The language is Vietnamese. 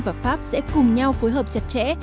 và pháp sẽ cùng nhau phối hợp chặt chẽ